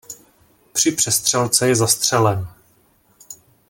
Při přestřelce je zastřelen.